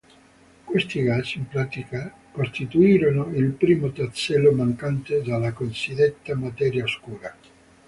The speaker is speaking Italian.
Questi gas, in pratica, costituirono il primo tassello mancante della cosiddetta materia oscura.